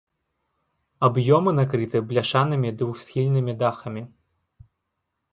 Аб'ёмы накрыты бляшанымі двухсхільнымі дахамі.